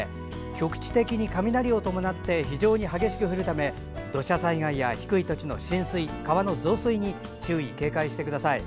局地的に雷を伴って非常に激しく降るため土砂災害や低い土地の浸水川の増水に注意、警戒してください。